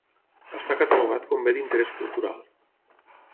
Està catalogat com Bé d'interès cultural.